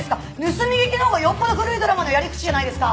盗み聞きのほうがよっぽど古いドラマのやり口じゃないですか！